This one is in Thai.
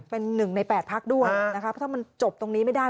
เป็นหนึ่งใน๘พักด้วยนะคะเพราะถ้ามันจบตรงนี้ไม่ได้